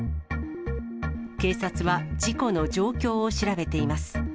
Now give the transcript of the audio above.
警察は事故の状況を調べています。